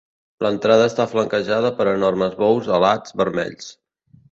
L'entrada està flanquejada per enormes bous alats vermells.